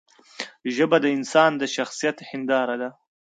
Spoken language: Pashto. ژبه د انسان د شخصیت هنداره ده